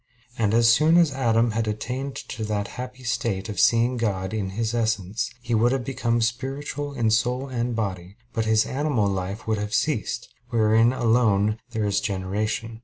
And as soon as Adam had attained to that happy state of seeing God in His Essence, he would have become spiritual in soul and body; and his animal life would have ceased, wherein alone there is generation.